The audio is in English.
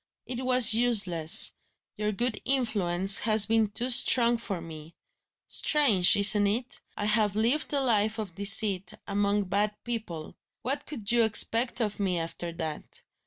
It was useless; your good influence has been too strong for me. Strange, isn't it? I have lived a life of deceit, among bad people. What could you expect of me, after that?